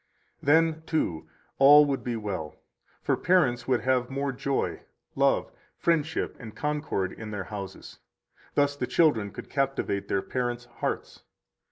Then, too, all would be well; for parents would have more joy, love, friendship, and concord in their houses; thus the children could captivate their parents' hearts.